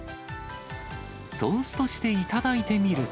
トーストして頂いてみると。